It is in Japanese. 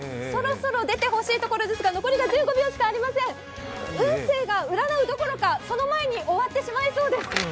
そろそろ出てほしいところですが、残りが１５秒しかありません運勢が占うどころかその前に終わってしまいそうです。